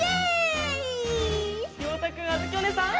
ようたくんあづきおねえさん